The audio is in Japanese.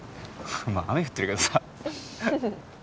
まあ雨降ってるけどさ